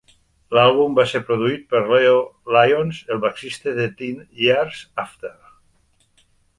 L'àlbum va ser produït per Leo Lyons, el baixista de Ten Years After.